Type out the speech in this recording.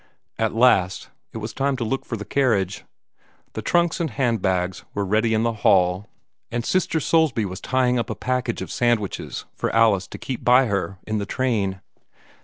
At last, it was time to look for the carriage. The trunks and hand bags were ready in the hall, and Sister Soulsby was tying up a package of sandwiches for Alice to keep by her in the train.